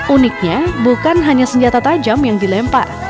uniknya bukan hanya senjata tajam yang dilempar